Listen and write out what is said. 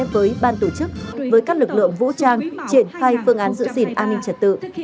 với ban tổ chức với các lực lượng vũ trang triển khai phương án giữ gìn an ninh trật tự